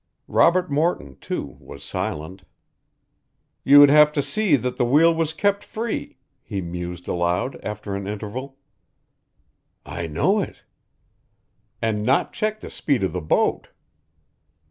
Robert Morton, too, was silent. "You would have to see that the wheel was kept free," he mused aloud after an interval. "I know it." "And not check the speed of the boat."